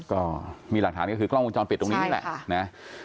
ก็มีหลักฐานก็คือกล้องวงจรปิดตรงนี้นี่แหละนะ